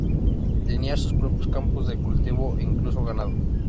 Tenía sus propios campos de cultivo e incluso ganado.